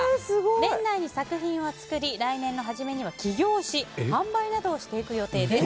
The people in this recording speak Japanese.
年内に作品を作り来年の初めには起業し販売などをしていく予定です。